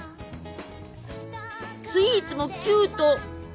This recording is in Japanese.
スイーツもキュート！